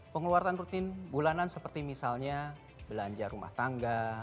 pengeluaran rutin bulanan seperti misalnya belanja rumah tangga